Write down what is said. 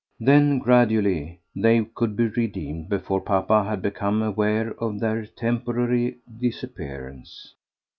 Then gradually they could be redeemed before papa had become aware of their temporary disappearance.